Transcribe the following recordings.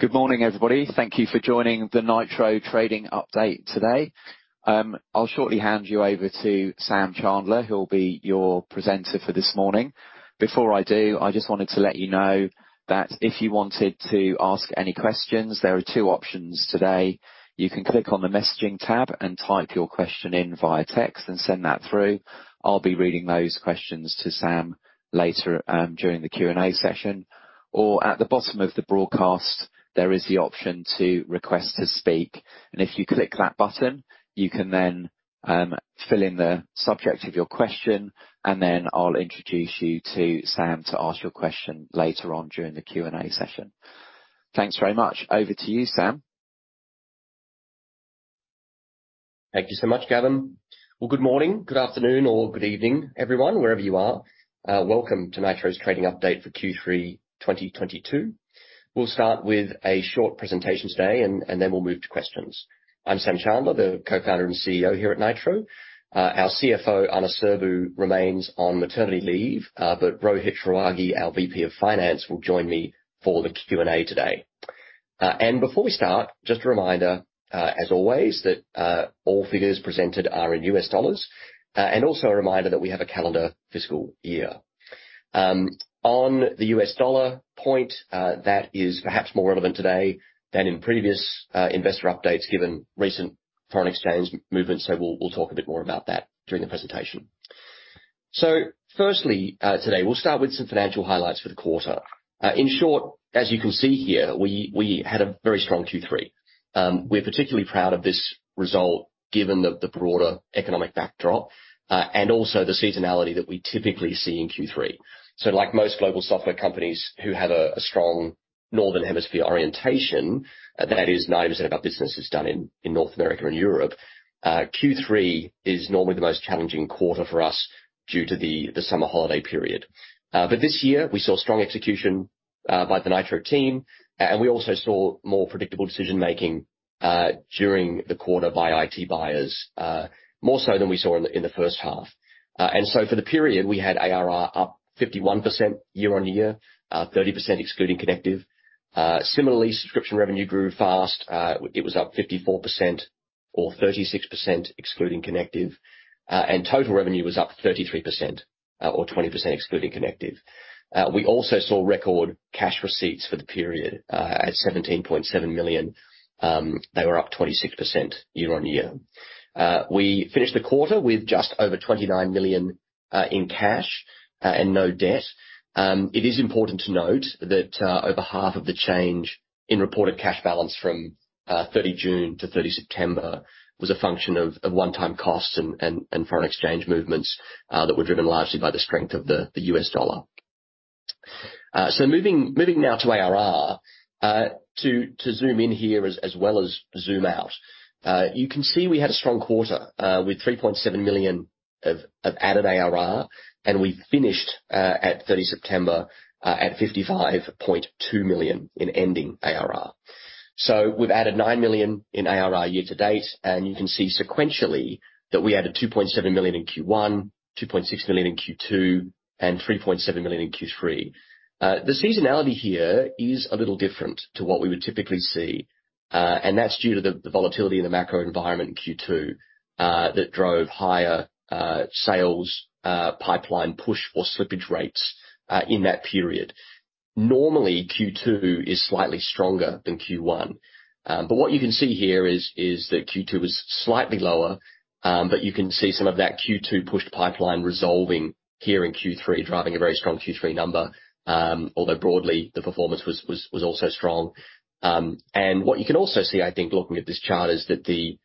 Good morning, everybody. Thank you for joining the Nitro trading update today. I'll shortly hand you over to Sam Chandler, who'll be your presenter for this morning. Before I do, I just wanted to let you know that if you wanted to ask any questions, there are two options today. You can click on the messaging tab and type your question in via text and send that through. I'll be reading those questions to Sam later during the Q&A session. Or at the bottom of the broadcast, there is the option to request to speak. If you click that button, you can then fill in the subject of your question, and then I'll introduce you to Sam to ask your question later on during the Q&A session. Thanks very much. Over to you, Sam. Thank you so much, Gavin. Well, good morning, good afternoon or good evening, everyone, wherever you are. Welcome to Nitro's trading update for Q3 2022. We'll start with a short presentation today and then we'll move to questions. I'm Sam Chandler, the co-founder and CEO here at Nitro. Our CFO, Ana Sirbu, remains on maternity leave, but Rohit Shrawagi, our VP of Finance, will join me for the Q&A today. Before we start, just a reminder, as always, that all figures presented are in U.S. dollars, and also a reminder that we have a calendar fiscal year. On the U.S. dollar point, that is perhaps more relevant today than in previous investor updates given recent foreign exchange movements, so we'll talk a bit more about that during the presentation. Firstly, today we'll start with some financial highlights for the quarter. In short, as you can see here, we had a very strong Q3. We're particularly proud of this result given the broader economic backdrop, and also the seasonality that we typically see in Q3. Like most global software companies who have a strong northern hemisphere orientation, that is 90% of our business is done in North America and Europe. Q3 is normally the most challenging quarter for us due to the summer holiday period. This year we saw strong execution by the Nitro team, and we also saw more predictable decision making during the quarter by IT buyers, more so than we saw in the first half. For the period, we had ARR up 51% year-on-year, 30% excluding Connective. Similarly, subscription revenue grew fast. It was up 54% or 36% excluding Connective. Total revenue was up 33%, or 20% excluding Connective. We also saw record cash receipts for the period, at 17.7 million. They were up 26% year-on-year. We finished the quarter with just over 29 million in cash and no debt. It is important to note that, over half of the change in reported cash balance from 30 June to 30 September was a function of one-time costs and foreign exchange movements, that were driven largely by the strength of the U.S. dollar. Moving now to ARR, to zoom in here as well as zoom out. You can see we had a strong quarter with $3.7 million of added ARR, and we finished at 30 September at $55.2 million in ending ARR. We've added $9 million in ARR year to date, and you can see sequentially that we added $2.7 million in Q1, $2.6 million in Q2, and $3.7 million in Q3. The seasonality here is a little different to what we would typically see, and that's due to the volatility in the macro environment in Q2 that drove higher sales pipeline push or slippage rates in that period. Normally, Q2 is slightly stronger than Q1. What you can see here is that Q2 was slightly lower, but you can see some of that Q2 pushed pipeline resolving here in Q3, driving a very strong Q3 number. Although broadly the performance was also strong. What you can also see, I think, looking at this chart, is that the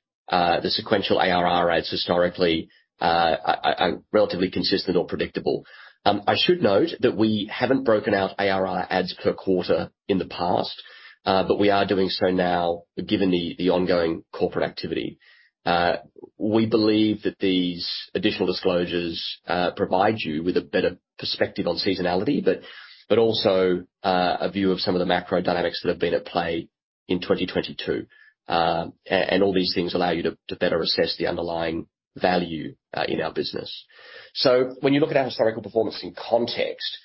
sequential ARR rates historically are relatively consistent or predictable. I should note that we haven't broken out ARR adds per quarter in the past, but we are doing so now given the ongoing corporate activity. We believe that these additional disclosures provide you with a better perspective on seasonality, but also a view of some of the macro dynamics that have been at play in 2022. All these things allow you to better assess the underlying value in our business. So when you look at our historical performance in context,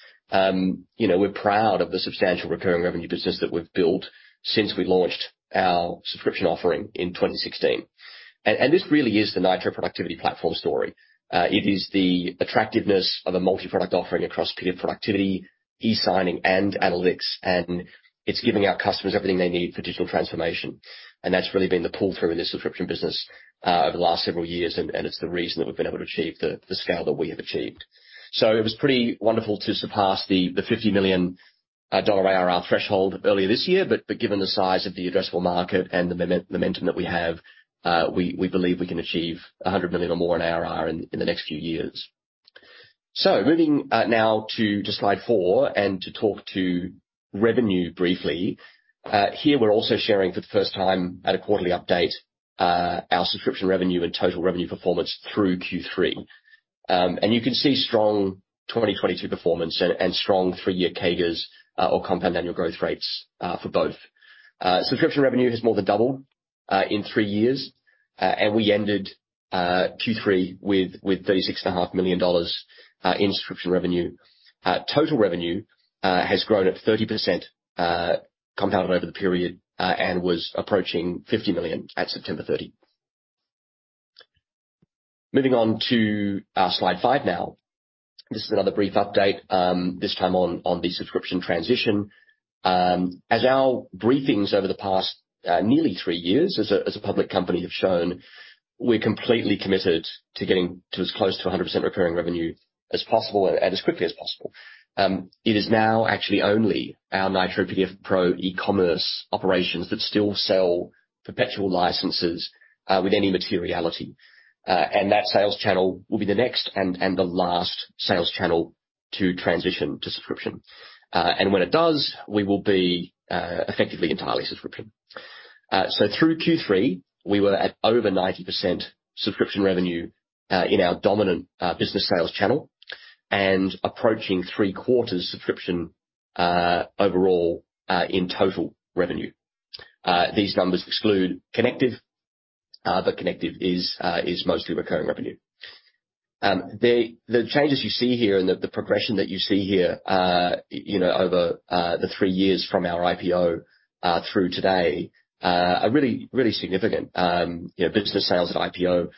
you know, we're proud of the substantial recurring revenue business that we've built since we launched our subscription offering in 2016. And this really is the Nitro Productivity Platform story. It is the attractiveness of a multi-product offering across PDF productivity, e-signing, and analytics, and it's giving our customers everything they need for digital transformation. And that's really been the pull through in this subscription business over the last several years, and it's the reason that we've been able to achieve the scale that we have achieved. It was pretty wonderful to surpass the $50 million ARR threshold earlier this year, but given the size of the addressable market and the momentum that we have, we believe we can achieve $100 million or more in ARR in the next few years. Moving now to slide four and to talk to revenue briefly. Here we're also sharing for the first time at a quarterly update our subscription revenue and total revenue performance through Q3. You can see strong 2022 performance and strong three-year CAGRs, or compound annual growth rates, for both. Subscription revenue has more than doubled in three years. We ended Q3 with $36.5 million in subscription revenue. Total revenue has grown at 30%, compounded over the period, and was approaching $50 million at September 30. Moving on to our slide five now. This is another brief update, this time on the subscription transition. As our briefings over the past nearly three years as a public company have shown, we're completely committed to getting to as close to 100% recurring revenue as possible and as quickly as possible. It is now actually only our Nitro PDF Pro e-commerce operations that still sell perpetual licenses with any materiality. That sales channel will be the next and the last sales channel to transition to subscription. When it does, we will be effectively entirely subscription. Through Q3, we were at over 90% subscription revenue in our dominant business sales channel and approaching three-quarters subscription overall in total revenue. These numbers exclude Connective. Connective is mostly recurring revenue. The changes you see here and the progression that you see here, you know, over the three years from our IPO through today, are really significant. You know, business sales at IPO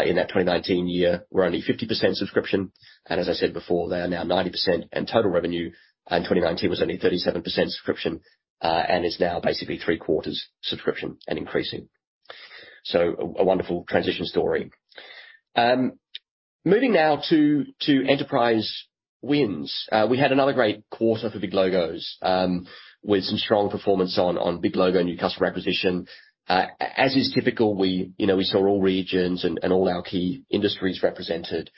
in that 2019 year were only 50% subscription, and as I said before, they are now 90%. Total revenue in 2019 was only 37% subscription, and is now basically three-quarters subscription and increasing. A wonderful transition story. Moving now to enterprise wins. We had another great quarter for big logos with some strong performance on big logo and new customer acquisition. As is typical, you know, we saw all regions and all our key industries represented.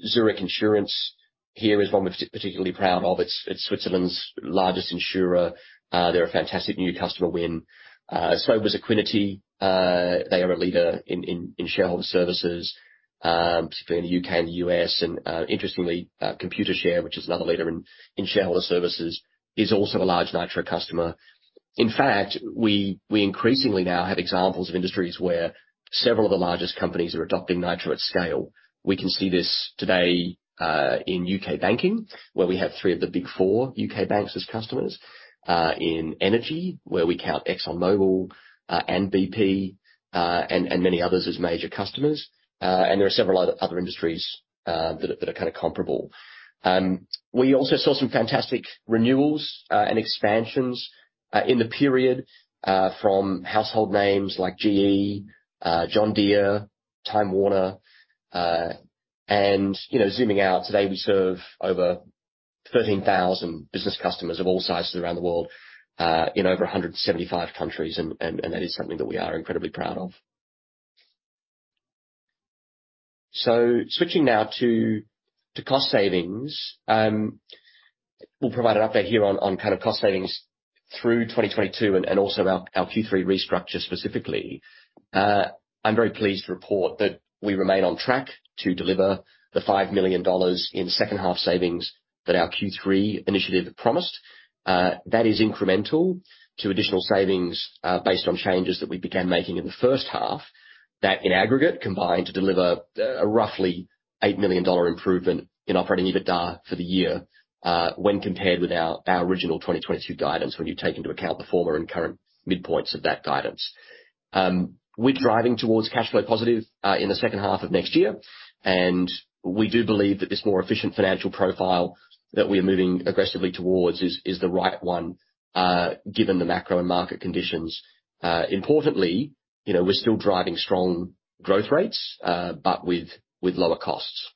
Zurich Insurance Group here is one we're particularly proud of. It's Switzerland's largest insurer. They're a fantastic new customer win. So was Equiniti. They are a leader in shareholder services, particularly in the U.K. and the U.S. Interestingly, Computershare, which is another leader in shareholder services, is also a large Nitro customer. In fact, we increasingly now have examples of industries where several of the largest companies are adopting Nitro at scale. We can see this today in U.K. banking, where we have three of the big four U.K. banks as customers. In energy, where we count ExxonMobil and BP and many others as major customers. There are several other industries that are kinda comparable. We also saw some fantastic renewals and expansions in the period from household names like GE, John Deere, Time Warner. You know, zooming out, today we serve over 13,000 business customers of all sizes around the world in over 175 countries, and that is something that we are incredibly proud of. Switching now to cost savings. We'll provide an update here on kind of cost savings through 2022 and also our Q3 restructure specifically. I'm very pleased to report that we remain on track to deliver the $5 million in second half savings that our Q3 initiative promised. That is incremental to additional savings, based on changes that we began making in the first half, that in aggregate combine to deliver, roughly $8 million improvement in operating EBITDA for the year, when compared with our original 2022 guidance, when you take into account the former and current midpoints of that guidance. We're driving towards cash flow positive, in the second half of next year. We do believe that this more efficient financial profile that we're moving aggressively towards is the right one, given the macro and market conditions. Importantly, you know, we're still driving strong growth rates, but with lower costs.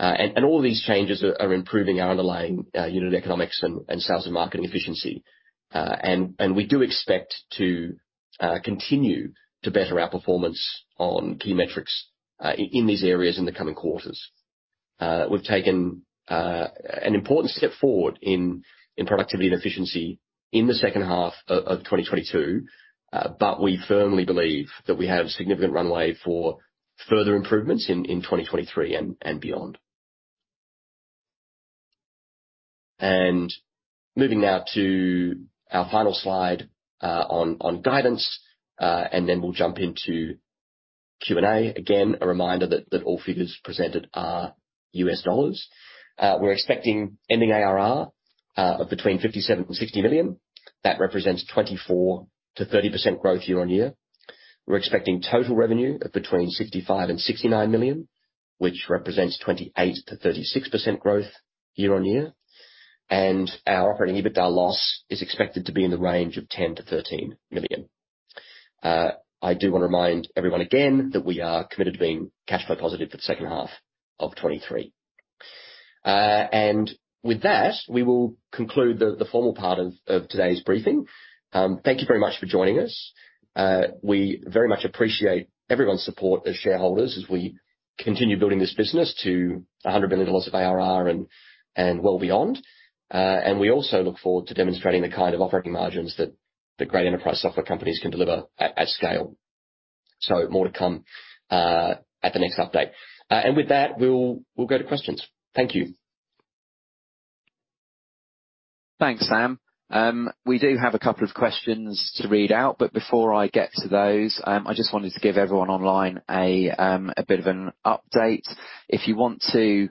All of these changes are improving our underlying unit economics and sales and marketing efficiency. We do expect to continue to better our performance on key metrics in these areas in the coming quarters. We've taken an important step forward in productivity and efficiency in the second half of 2022, but we firmly believe that we have significant runway for further improvements in 2023 and beyond. Moving now to our final slide on guidance, and then we'll jump into Q&A. Again, a reminder that all figures presented are U.S. dollars. We're expecting ending ARR of between $57 million and $60 million. That represents 24%-30% growth year-on-year. We're expecting total revenue of between $65 million and $69 million, which represents 28%-36% growth year-on-year. Our operating EBITDA loss is expected to be in the range of $10 million-$13 million. I do wanna remind everyone again that we are committed to being cash flow positive for the second half of 2023. With that, we will conclude the formal part of today's briefing. Thank you very much for joining us. We very much appreciate everyone's support as shareholders as we continue building this business to $100 million of ARR and well beyond. We also look forward to demonstrating the kind of operating margins that the great enterprise software companies can deliver at scale. More to come at the next update. With that, we'll go to questions. Thank you. Thanks, Sam. We do have a couple of questions to read out, but before I get to those, I just wanted to give everyone online a bit of an update. If you want to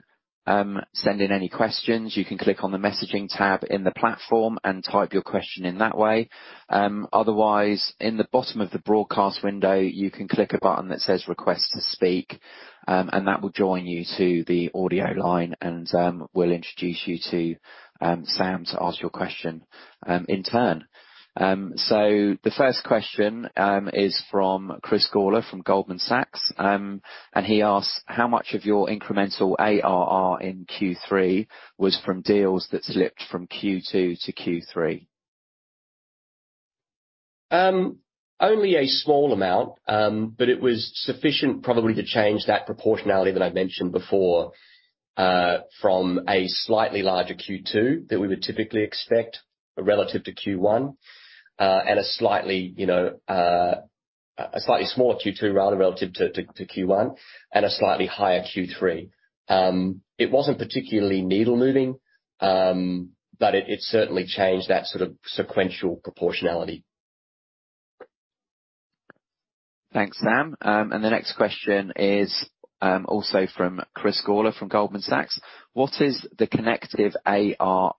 send in any questions, you can click on the messaging tab in the platform and type your question in that way. Otherwise, in the bottom of the broadcast window, you can click a button that says Request to Speak, and that will join you to the audio line and we'll introduce you to Sam to ask your question in turn. The first question is from Chris Gawler from Goldman Sachs. He asks, "How much of your incremental ARR in Q3 was from deals that slipped from Q2 to Q3? Only a small amount, but it was sufficient probably to change that proportionality that I mentioned before, from a slightly larger Q2 that we would typically expect relative to Q1, and a slightly, you know, smaller Q2, rather relative to Q1 and a slightly higher Q3. It wasn't particularly needle-moving, but it certainly changed that sort of sequential proportionality. Thanks, Sam. The next question is, also from Chris Gawler from Goldman Sachs. What is the Connective ARR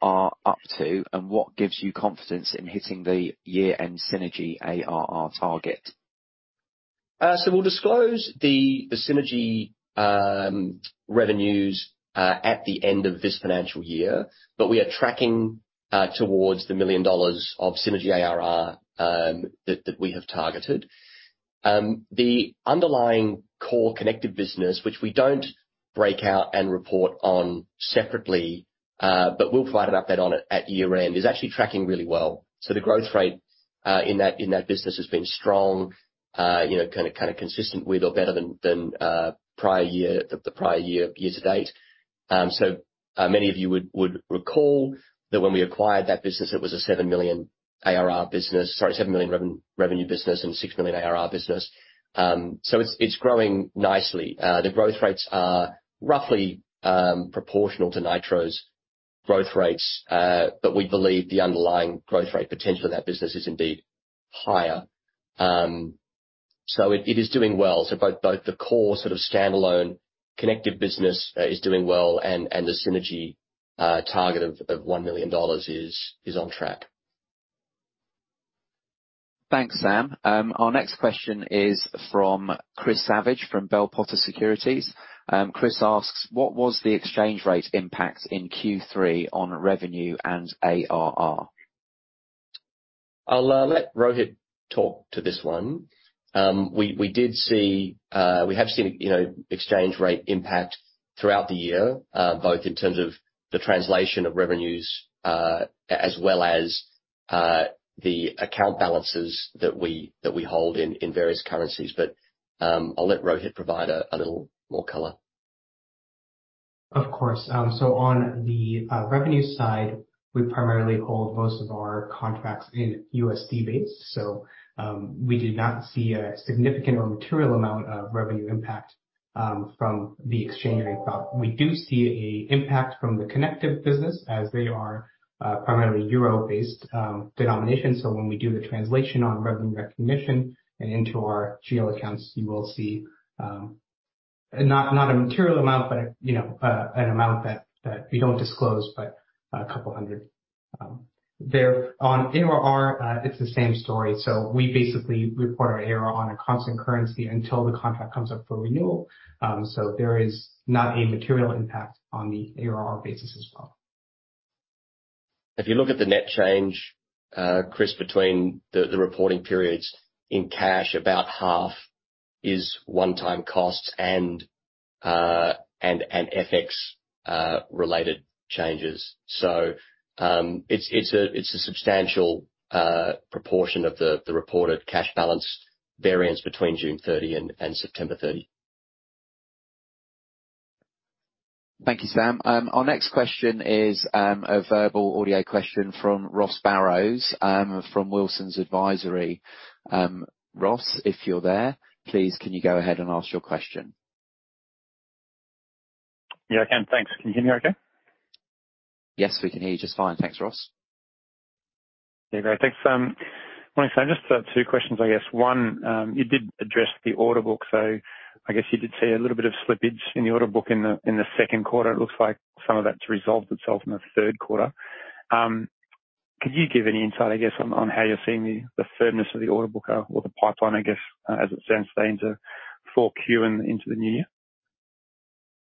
up to, and what gives you confidence in hitting the year-end synergy ARR target? We'll disclose the synergy revenues at the end of this financial year. We are tracking towards 1 million dollars of synergy ARR that we have targeted. The underlying core Connective business, which we don't break out and report on separately, but we'll provide an update on it at year-end, is actually tracking really well. The growth rate in that business has been strong, you know, kinda consistent with or better than prior year year to date. Many of you would recall that when we acquired that business, it was a 7 million revenue business and 6 million ARR business. It's growing nicely. The growth rates are roughly proportional to Nitro's growth rates, but we believe the underlying growth rate potential of that business is indeed higher. It is doing well. Both the core sort of standalone Connective business is doing well and the synergy target of $1 million is on track. Thanks, Sam. Our next question is from Chris Savage, from Bell Potter Securities. Chris asks, "What was the exchange rate impact in Q3 on revenue and ARR? I'll let Rohit talk to this one. We have seen, you know, exchange rate impact throughout the year, both in terms of the translation of revenues, as well as the account balances that we hold in various currencies. I'll let Rohit provide a little more color. Of course. On the revenue side, we primarily hold most of our contracts in USD basis. We did not see a significant or material amount of revenue impact from the exchange rate. We do see an impact from the Connective business as they are primarily euro-based denomination. When we do the translation on revenue recognition and into our GL accounts, you will see not a material amount, but you know, an amount that we don't disclose, but a couple hundred. Then on ARR, it's the same story. We basically report our ARR on a constant currency until the contract comes up for renewal. There is not a material impact on the ARR basis as well. If you look at the net change, Chris, between the reporting periods in cash, about half is one-time costs and FX related changes. It's a substantial proportion of the reported cash balance variance between June thirty and September thirty. Thank you, Sam. Our next question is a verbal audio question from Ross Barrows from Wilsons Advisory. Ross, if you're there, please can you go ahead and ask your question? Yeah, I can. Thanks. Can you hear me okay? Yes, we can hear you just fine. Thanks, Ross. Yeah. Great. Thanks. Morning, Sam. Just two questions, I guess. One, you did address the order book, so I guess you did see a little bit of slippage in the order book in the second quarter. It looks like some of that's resolved itself in the third quarter. Could you give any insight, I guess, on how you're seeing the firmness of the order book or the pipeline, I guess, as it stands today into 4Q and into the new year?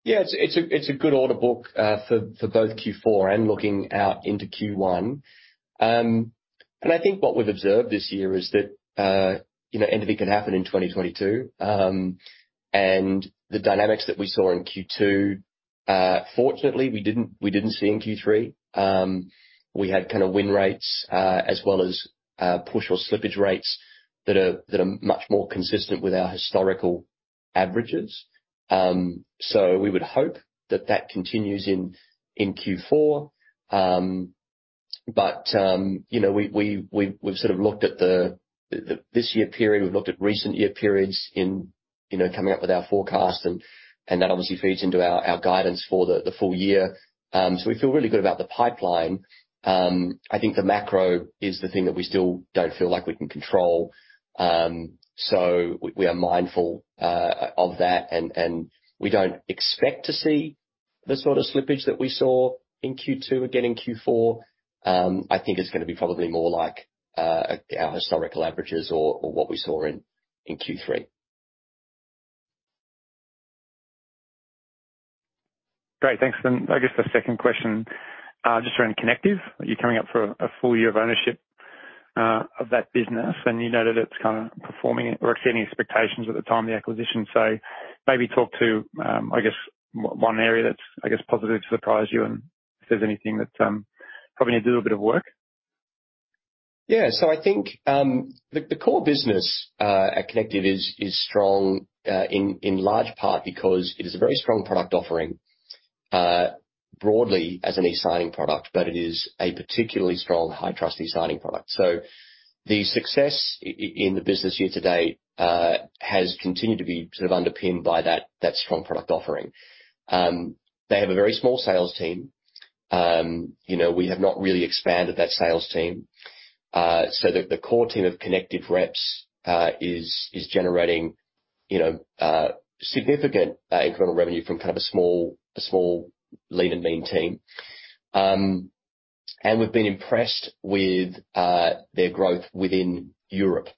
Yeah. It's a good order book for both Q4 and looking out into Q1. I think what we've observed this year is that you know, anything can happen in 2022. The dynamics that we saw in Q2, fortunately, we didn't see in Q3. We had kinda win rates as well as push or slippage rates that are much more consistent with our historical averages. We would hope that continues in Q4. You know, we've sort of looked at the this year period, we've looked at recent year periods in you know, coming up with our forecast and that obviously feeds into our guidance for the full year. We feel really good about the pipeline. I think the macro is the thing that we still don't feel like we can control. We are mindful of that, and we don't expect to see the sort of slippage that we saw in Q2 again in Q4. I think it's gonna be probably more like our historical averages or what we saw in Q3. Great. Thanks. I guess the second question, just around Connective. You're coming up for a full year of ownership of that business, and you noted it's kinda performing or exceeding expectations at the time of the acquisition. Maybe talk to one area that's, I guess, positively surprised you and if there's anything that probably need to do a bit of work. Yeah. I think the core business at Connective is strong in large part because it is a very strong product offering broadly as an e-signing product, but it is a particularly strong high trust e-signing product. The success in the business year to date has continued to be sort of underpinned by that strong product offering. They have a very small sales team. You know, we have not really expanded that sales team. The core team of Connective reps is generating you know significant incremental revenue from kind of a small lean and mean team. We've been impressed with their growth within Europe,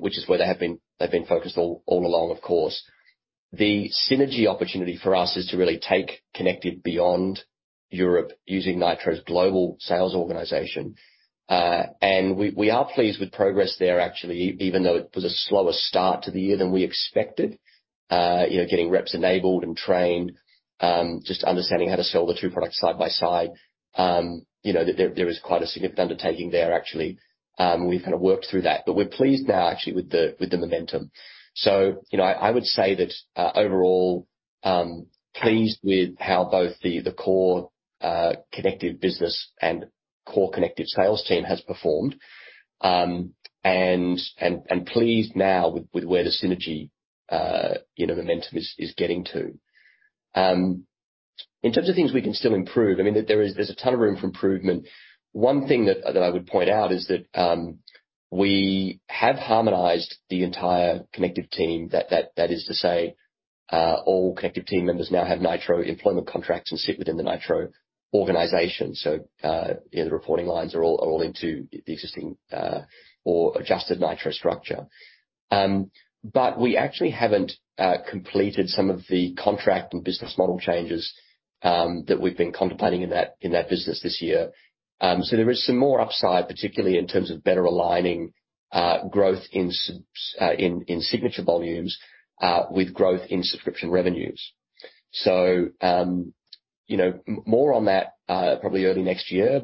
which is where they've been focused all along, of course. The synergy opportunity for us is to really take Connective beyond Europe using Nitro's global sales organization. We are pleased with progress there actually, even though it was a slower start to the year than we expected. You know, getting reps enabled and trained, just understanding how to sell the two products side by side. You know, there is quite a significant undertaking there actually. We've kinda worked through that. We're pleased now actually with the momentum. You know, I would say that overall pleased with how both the core Connective business and core Connective sales team has performed and pleased now with where the synergy you know momentum is getting to. In terms of things we can still improve, I mean, there's a ton of room for improvement. One thing that I would point out is that we have harmonized the entire Connective team. That is to say, all Connective team members now have Nitro employment contracts and sit within the Nitro organization. You know, the reporting lines are all into the existing or adjusted Nitro structure. We actually haven't completed some of the contract and business model changes that we've been contemplating in that business this year. There is some more upside, particularly in terms of better aligning growth in signature volumes with growth in subscription revenues. You know, more on that probably early next year.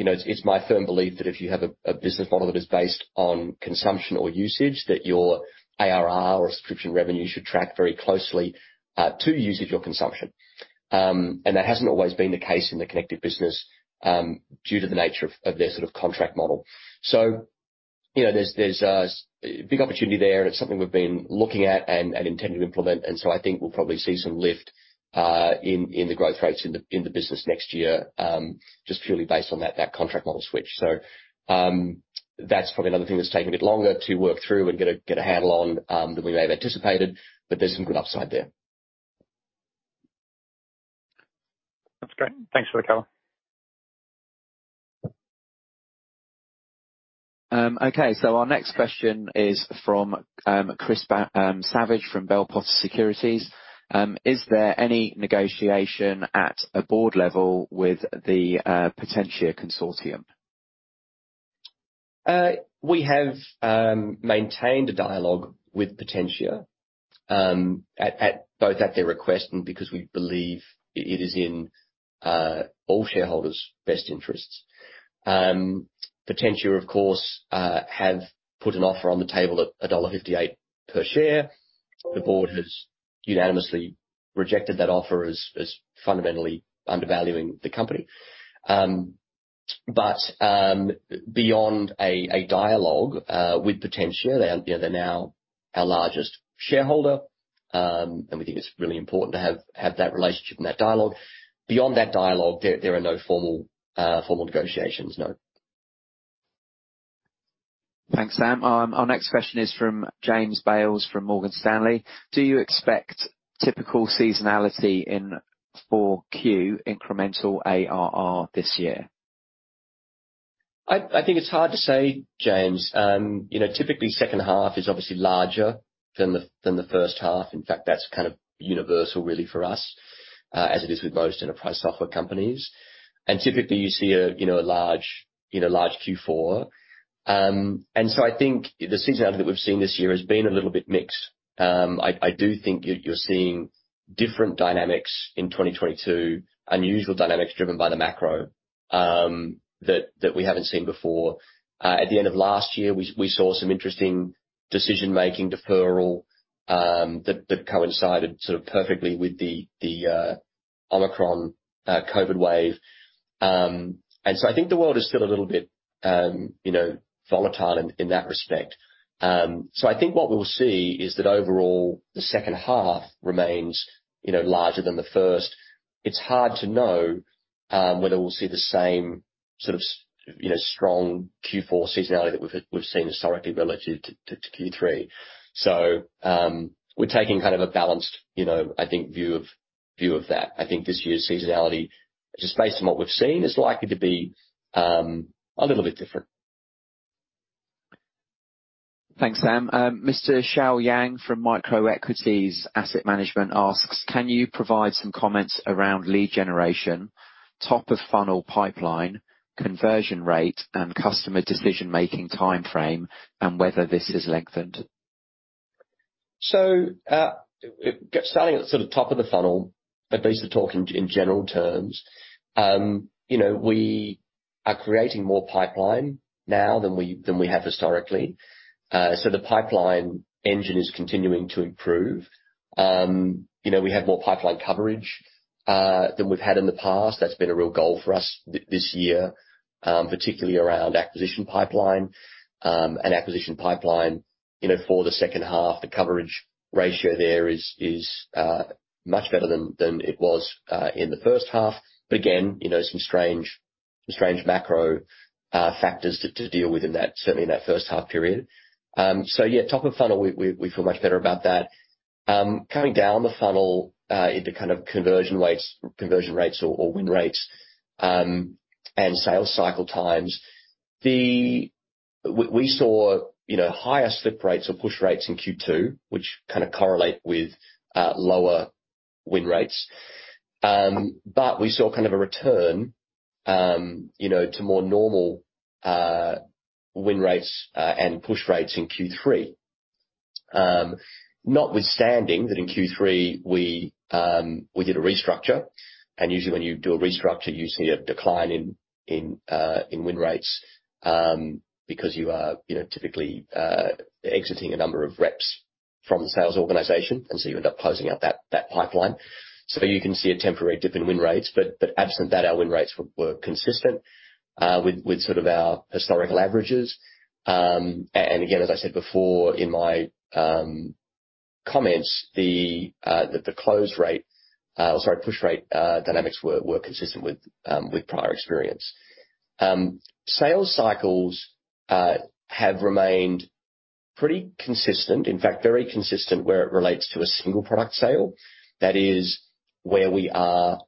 You know, it's my firm belief that if you have a business model that is based on consumption or usage, that your ARR or subscription revenue should track very closely to usage or consumption. That hasn't always been the case in the Connective business due to the nature of their sort of contract model. You know, there's a big opportunity there, and it's something we've been looking at and intend to implement. I think we'll probably see some lift in the growth rates in the business next year just purely based on that contract model switch. That's probably another thing that's taking a bit longer to work through and get a handle on than we may have anticipated. There's some good upside there. That's great. Thanks for the color. Okay, our next question is from Chris Savage, from Bell Potter Securities. Is there any negotiation at a board level with the Potentia consortium? We have maintained a dialogue with Potentia Capital, both at their request and because we believe it is in all shareholders' best interests. Potentia Capital, of course, have put an offer on the table at $1.58 per share. The board has unanimously rejected that offer as fundamentally undervaluing the company. Beyond a dialogue with Potentia Capital, they are, you know, they're now our largest shareholder. We think it's really important to have that relationship and that dialogue. Beyond that dialogue, there are no formal negotiations, no. Thanks, Sam. Our next question is from James Bales from Morgan Stanley. Do you expect typical seasonality in 4Q incremental ARR this year? I think it's hard to say, James. You know, typically, second half is obviously larger than the first half. In fact, that's kind of universal really for us, as it is with most enterprise software companies. Typically, you see a large Q4. I think the seasonality that we've seen this year has been a little bit mixed. I do think you're seeing different dynamics in 2022, unusual dynamics driven by the macro that we haven't seen before. At the end of last year, we saw some interesting decision-making deferral that coincided sort of perfectly with the Omicron COVID wave. I think the world is still a little bit, you know, volatile in that respect. I think what we'll see is that overall, the second half remains, you know, larger than the first. It's hard to know whether we'll see the same sort of you know, strong Q4 seasonality that we've seen historically relative to Q3. We're taking kind of a balanced, you know, I think view of that. I think this year's seasonality, just based on what we've seen, is likely to be a little bit different. Thanks, Sam. Mr. Shuo Yang from Microequities Asset Management asks, "Can you provide some comments around lead generation, top of funnel pipeline, conversion rate and customer decision-making timeframe, and whether this has lengthened? Starting at sort of top of the funnel, at least to talk in general terms. You know, we are creating more pipeline now than we have historically. The pipeline engine is continuing to improve. You know, we have more pipeline coverage than we've had in the past. That's been a real goal for us this year, particularly around acquisition pipeline, and acquisition pipeline, you know, for the second half, the coverage ratio there is much better than it was in the first half. Again, you know, some strange macro factors to deal with in that, certainly in that first half period. Yeah, top of funnel, we feel much better about that. Coming down the funnel, into kind of conversion rates, conversion rates or win rates, and sales cycle times. We saw, you know, higher slip rates or push rates in Q2, which kinda correlate with lower win rates. We saw kind of a return, you know, to more normal win rates and push rates in Q3. Notwithstanding that in Q3, we did a restructure. Usually when you do a restructure, you see a decline in win rates, because you are, you know, typically exiting a number of reps from the sales organization, and so you end up closing out that pipeline. You can see a temporary dip in win rates. Absent that, our win rates were consistent with sort of our historical averages. Again, as I said before in my comments, the close rate, or sorry, push rate, dynamics were consistent with prior experience. Sales cycles have remained pretty consistent, in fact, very consistent where it relates to a single product sale. That is where we are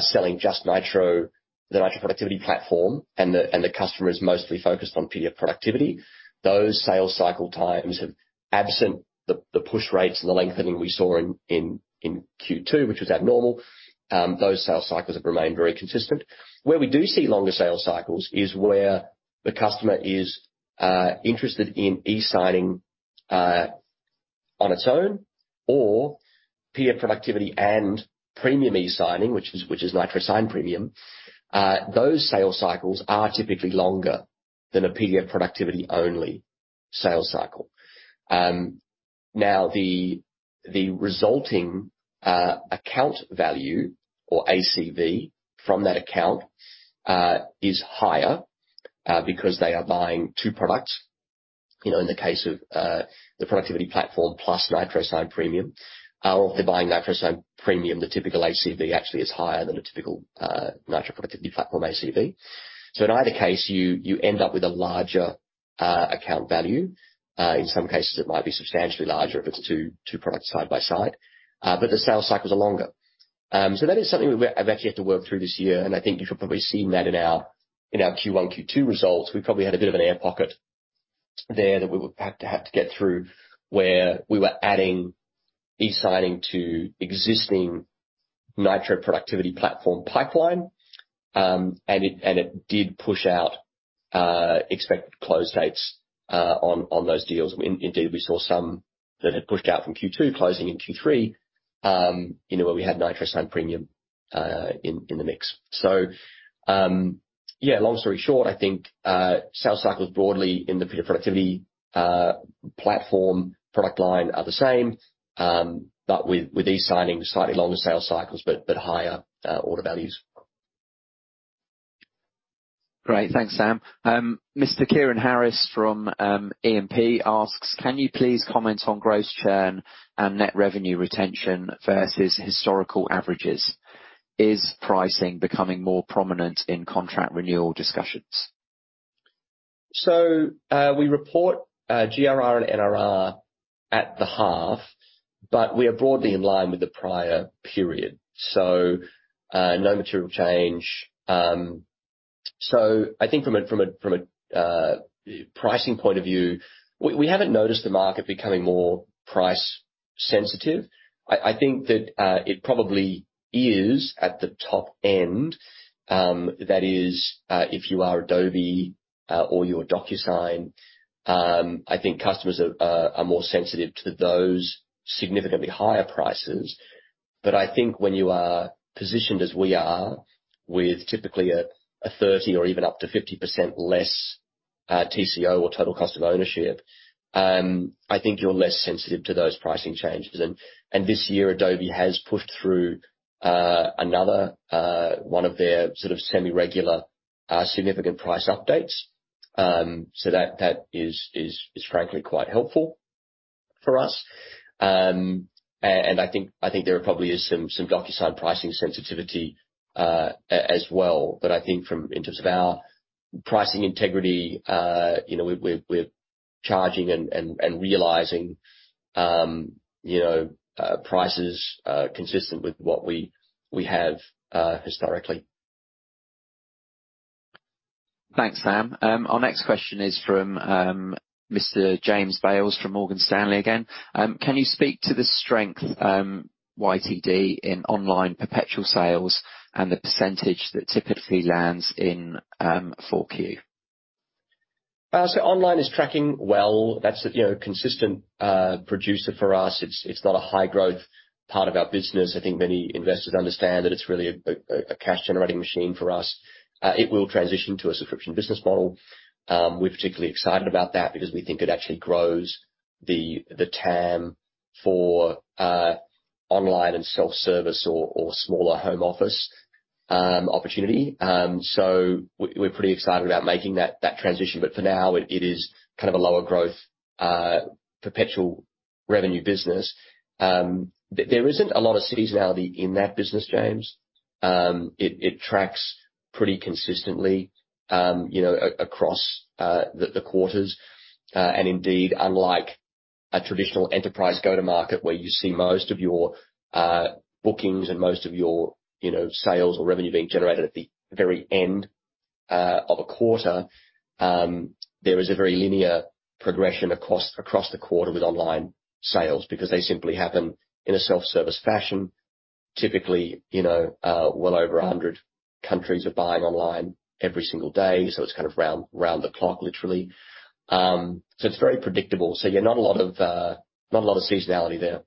selling just Nitro, the Nitro Productivity Platform, and the customer is mostly focused on PDF productivity. Those sales cycle times have, absent the push rates and the lengthening we saw in Q2, which was abnormal, those sales cycles have remained very consistent. Where we do see longer sales cycles is where the customer is interested in e-signing on its own or PDF productivity and premium e-signing, which is Nitro Sign Premium. Those sales cycles are typically longer than a PDF productivity-only sales cycle. Now the resulting account value or ACV from that account is higher because they are buying two products. You know, in the case of the productivity platform plus Nitro Sign Premium, if they're buying Nitro Sign Premium, the typical ACV actually is higher than a typical Nitro Productivity Platform ACV. In either case, you end up with a larger account value. In some cases, it might be substantially larger if it's two products side by side. The sales cycles are longer. That is something we've actually had to work through this year, and I think you've probably seen that in our Q1, Q2 results. We probably had a bit of an air pocket there that we would have to get through where we were adding e-signing to existing Nitro Productivity Platform pipeline. And it did push out expected close dates on those deals. Indeed, we saw some that had pushed out from Q2 closing in Q3, where we had Nitro Sign Premium in the mix. Long story short, I think sales cycles broadly in the PDF productivity platform product line are the same. But with e-signing, slightly longer sales cycles, but higher order values. Great. Thanks, Sam. Mr. Kieran Harris from E&P asks, "Can you please comment on gross churn and net revenue retention versus historical averages? Is pricing becoming more prominent in contract renewal discussions? We report GRR and NRR at the half, but we are broadly in line with the prior period. No material change. I think from a pricing point of view, we haven't noticed the market becoming more price sensitive. I think that it probably is at the top end. That is, if you are Adobe or you're DocuSign, I think customers are more sensitive to those significantly higher prices. But I think when you are positioned as we are with typically a 30% or even up to 50% less TCO or total cost of ownership, I think you're less sensitive to those pricing changes. This year, Adobe has pushed through another one of their sort of semi-regular significant price updates. That is frankly quite helpful for us. I think there probably is some DocuSign pricing sensitivity as well. I think in terms of our pricing integrity, you know, we're charging and realizing, you know, prices consistent with what we have historically. Thanks, Sam. Our next question is from Mr. James Bales from Morgan Stanley again. Can you speak to the strength YTD in online perpetual sales and the percentage that typically lands in Q4? Online is tracking well. That's, you know, a consistent producer for us. It's not a high growth part of our business. I think many investors understand that it's really a cash generating machine for us. It will transition to a subscription business model. We're particularly excited about that because we think it actually grows the TAM for online and self-service or smaller home office opportunity. We're pretty excited about making that transition. But for now it is kind of a lower growth perpetual revenue business. There isn't a lot of seasonality in that business, James. It tracks pretty consistently, you know, across the quarters. Indeed, unlike a traditional enterprise go-to-market, where you see most of your bookings and most of your, you know, sales or revenue being generated at the very end of a quarter, there is a very linear progression across the quarter with online sales because they simply happen in a self-service fashion. Typically, you know, well over 100 countries are buying online every single day, so it's kind of round the clock, literally. It's very predictable. Yeah, not a lot of seasonality there.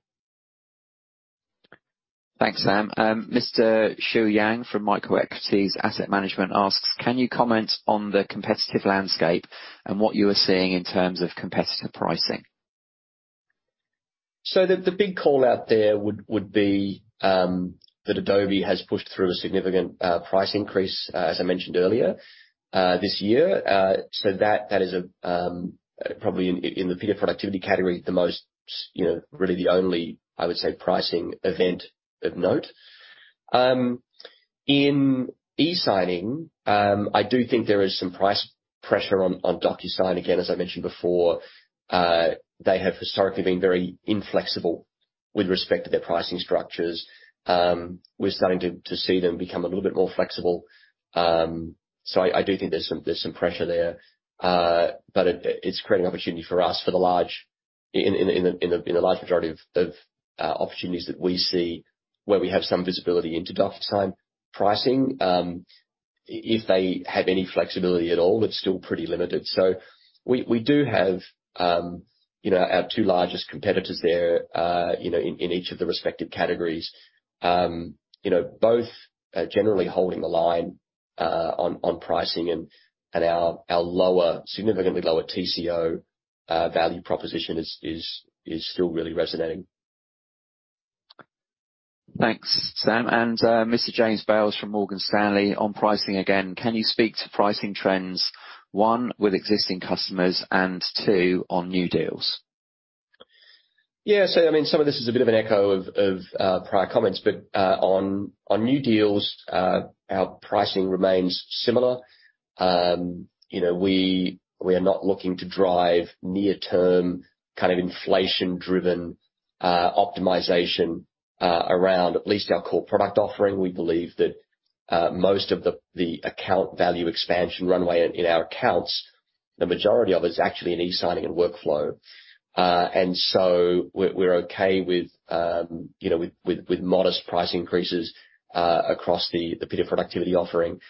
Thanks, Sam. Mr. Shuo Yang from Microequities Asset Management asks, "Can you comment on the competitive landscape and what you are seeing in terms of competitive pricing? The big call-out there would be that Adobe has pushed through a significant price increase, as I mentioned earlier, this year. That is probably in the PDF productivity category the most, you know, really the only, I would say, pricing event of note. In e-signing, I do think there is some price pressure on DocuSign. Again, as I mentioned before, they have historically been very inflexible with respect to their pricing structures. We're starting to see them become a little bit more flexible. I do think there's some pressure there. It's creating opportunity for us for the large. In the large majority of opportunities that we see where we have some visibility into DocuSign pricing, if they have any flexibility at all, it's still pretty limited. We do have you know, our two largest competitors there, you know, in each of the respective categories. You know, both are generally holding the line on pricing and our lower, significantly lower TCO value proposition is still really resonating. Thanks, Sam. Mr. James Bales from Morgan Stanley on pricing again. Can you speak to pricing trends, one, with existing customers, and two, on new deals? Yeah. I mean, some of this is a bit of an echo of prior comments, but on new deals, our pricing remains similar. You know, we are not looking to drive near term kind of inflation driven optimization around at least our core product offering. We believe that most of the account value expansion runway in our accounts, the majority of it is actually in e-signing and workflow. We're okay with you know, with modest price increases across the PDF productivity offering,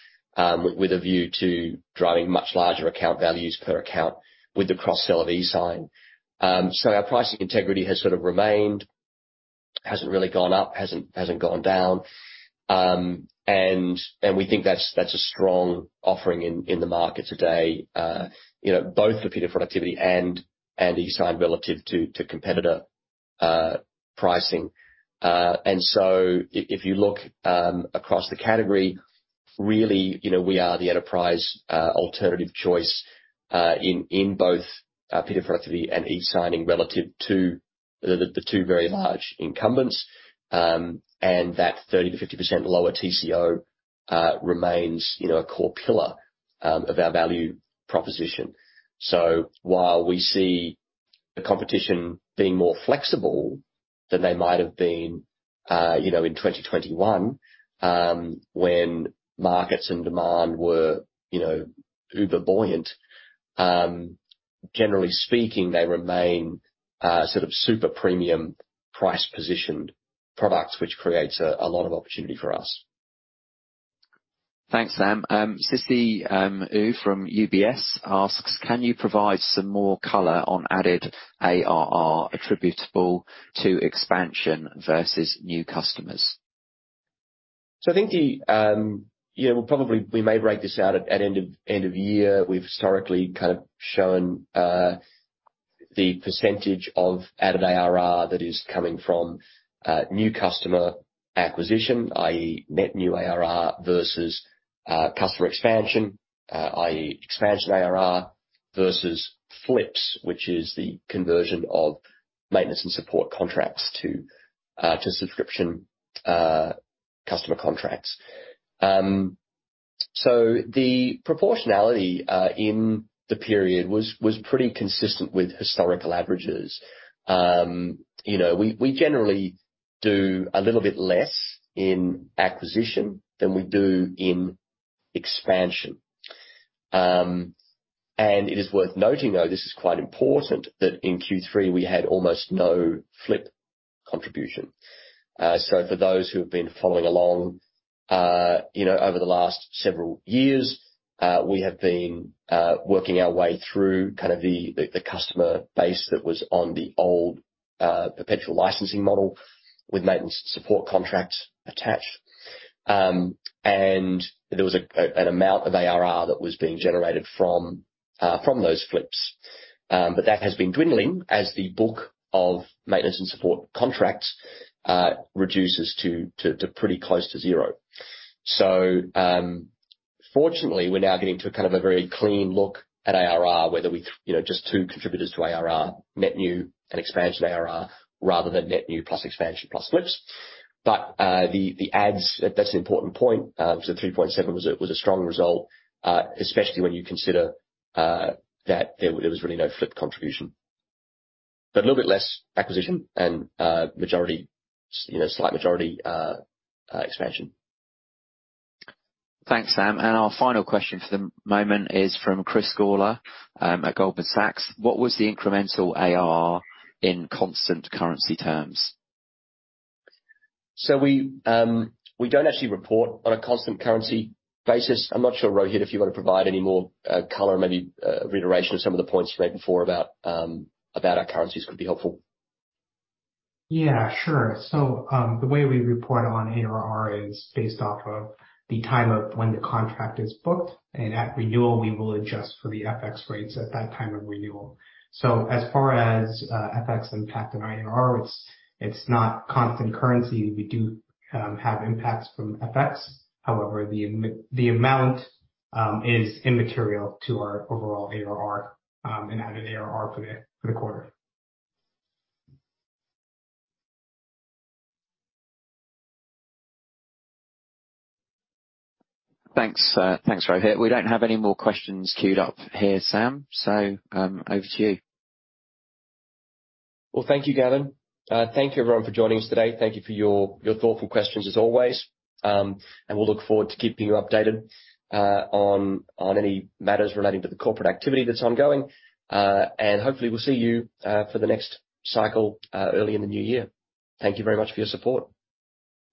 with a view to driving much larger account values per account with the cross-sell of e-sign. Our pricing integrity has sort of remained, hasn't really gone up, hasn't gone down. We think that's a strong offering in the market today. You know, both for PDF productivity and e-sign relative to competitor pricing. If you look across the category, really, you know, we are the enterprise alternative choice in both PDF productivity and e-signing relative to the two very large incumbents. That 30%-50% lower TCO remains, you know, a core pillar of our value proposition. While we see the competition being more flexible than they might have been, you know, in 2021, when markets and demand were, you know, uber buoyant, generally speaking, they remain sort of super premium price positioned products, which creates a lot of opportunity for us. Thanks, Sam. Siyi Ou from UBS asks, "Can you provide some more color on added ARR attributable to expansion versus new customers? I think probably we may break this out at end of year. We've historically kind of shown the percentage of added ARR that is coming from new customer acquisition, i.e., net new ARR versus customer expansion, i.e., expansion ARR versus flips, which is the conversion of maintenance and support contracts to subscription customer contracts. The proportionality in the period was pretty consistent with historical averages. You know, we generally do a little bit less in acquisition than we do in expansion. It is worth noting, though, this is quite important, that in Q3 we had almost no flip contribution. For those who have been following along, you know, over the last several years, we have been working our way through kind of the customer base that was on the old perpetual licensing model with maintenance support contracts attached. There was an amount of ARR that was being generated from those flips. That has been dwindling as the book of maintenance and support contracts reduces to pretty close to zero. Fortunately, we're now getting to a kind of a very clean look at ARR, you know, just two contributors to ARR, net new and expansion ARR, rather than net new plus expansion plus flips. The adds, that's an important point. 3.7% was a strong result, especially when you consider that there was really no FX contribution. A little bit less acquisition and majority, you know, slight majority expansion. Thanks, Sam. Our final question for the moment is from Chris Gawler at Goldman Sachs. What was the incremental ARR in constant currency terms? We don't actually report on a constant currency basis. I'm not sure, Rohit, if you wanna provide any more color, maybe reiteration of some of the points you made before about our currencies could be helpful. Yeah, sure. The way we report on ARR is based off of the time of when the contract is booked. At renewal, we will adjust for the FX rates at that time of renewal. As far as FX impact on our ARR, it's not constant currency. We do have impacts from FX. However, the amount is immaterial to our overall ARR and added ARR for the quarter. Thanks, Rohit. We don't have any more questions queued up here, Sam, so over to you. Well, thank you, Gavin. Thank you everyone for joining us today. Thank you for your thoughtful questions as always. We'll look forward to keeping you updated on any matters relating to the corporate activity that's ongoing. Hopefully we'll see you for the next cycle early in the new year. Thank you very much for your support.